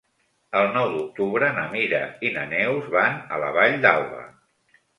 El nou d'octubre na Mira i na Neus van a la Vall d'Alba.